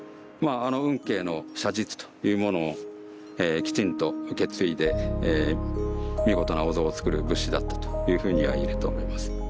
まああの運慶の写実というものをえきちんと受け継いで見事なお像をつくる仏師だったというふうには言えると思います。